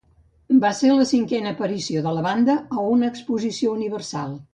Va ser la cinquena aparició de la banda a una Exposició Universal.